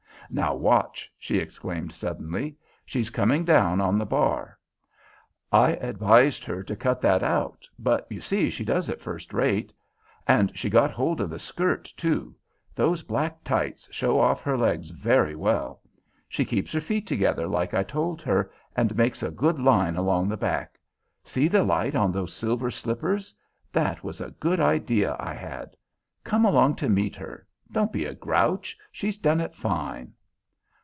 "Now watch," she exclaimed suddenly. "She's coming down on the bar. I advised her to cut that out, but you see she does it first rate. And she got rid of the skirt, too. Those black tights show off her legs very well. She keeps her feet together like I told her, and makes a good line along the back. See the light on those silver slippers, that was a good idea I had. Come along to meet her. Don't be a grouch; she's done it fine!"